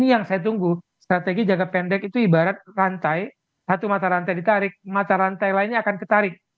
yang saya tunggu strategi jangka pendek itu ibarat rantai satu mata rantai ditarik mata rantai lainnya akan ketarik